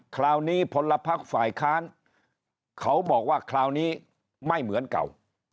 คราวนี้พลพักฝ่ายค้านเขาบอกว่าคราวนี้ไม่เหมือนเก่า